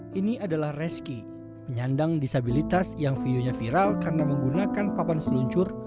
hai ini adalah rezeki menyandang disabilitas yang videonya viral karena menggunakan papan seluncur